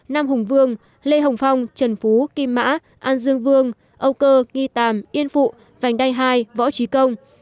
nam hùng vương lê hồng phong trần phú kim mã an dương vương âu cơ nghi tàm yên phụ vành đai hai võ trí công